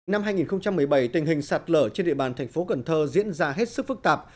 năm hai nghìn một mươi bảy tình hình sạt lở trên địa bàn thành phố cần thơ diễn ra hết sức phức tạp